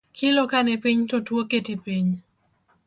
Kilo kanipiny to tuo keti piny